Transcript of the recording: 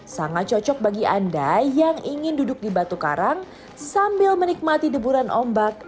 sangat cocok bagi anda yang ingin duduk di batu karang sambil menikmati deburan ombak